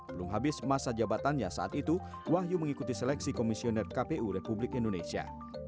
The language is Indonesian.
belum habis masa jabatannya saat itu wahyu mengikuti seleksi komisioner kpu republik indonesia